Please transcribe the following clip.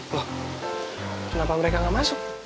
loh kenapa mereka nggak masuk